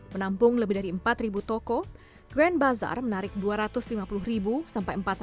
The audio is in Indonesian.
menampung lebih dari empat toko grand bazar menarik dua ratus lima puluh sampai empat puluh